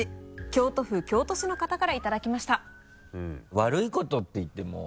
「悪いこと」っていってもここでね。